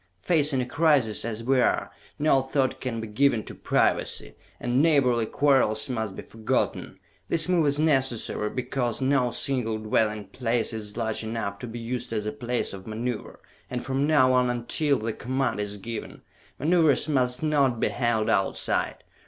"Facing a crisis as we are, no thought can be given to privacy, and neighborly quarrels must be forgotten! This move is necessary because no single dwelling place is large enough to be used as a place of maneuver and from now on until the command is given, maneuvers must not be held Outside!